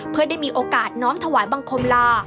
เพื่อได้มีโอกาสน้อมถวายบังคมลา